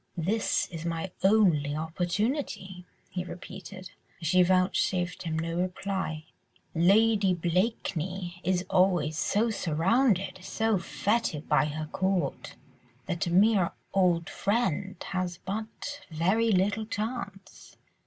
"This is my only opportunity," he repeated, as she vouchsafed him no reply, "Lady Blakeney is always so surrounded, so fêted by her court, that a mere old friend has but very little chance."